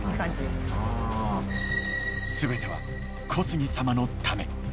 全ては小杉様のため。